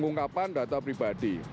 ungkapan data pribadi